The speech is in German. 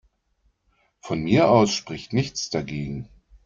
Von mir aus spricht nichts dagegen.